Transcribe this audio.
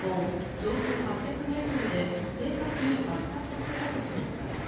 上空８００ｍで正確に爆発させたとしています。